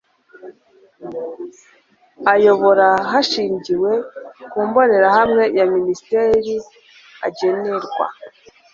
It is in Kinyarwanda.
ayobora hashingiwe ku mbonerahamwe ya minisiteri agenerwa